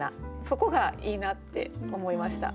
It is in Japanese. そこがいいなって思いました。